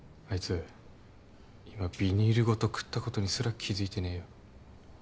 あいつ今ビニールごと食ったことにすら気付いてねえよ。